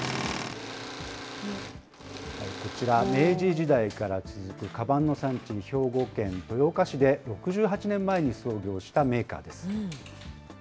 こちら、明治時代から続くかばんの産地の兵庫県豊岡市で６８年前に創業したメーカーです。